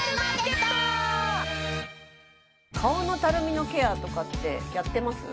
顔のたるみのケアとかってやってます？